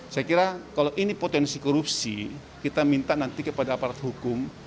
saya kira kalau ini potensi korupsi kita minta nanti kepada aparat hukum